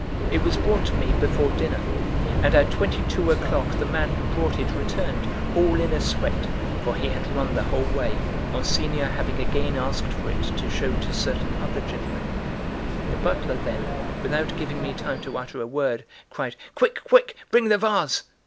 It was brought to me before dinner; and at twenty two o'clock the man who brought it returned, all in a sweat, for he had run the whole way, Monsignor having again asked for it to show to certain other gentlemen. The butler, then, without giving me time to utter a word, cried: "Quick, quick, bring the vase."